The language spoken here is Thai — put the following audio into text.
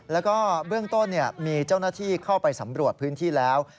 แล้วก็เบื้องต้นมีเจ้าหน้าที่เข้าไปสำรวจพื้นที่แล้ว